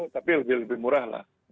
tapi lebih murah lah